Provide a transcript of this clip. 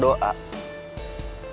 dia udah kelar doa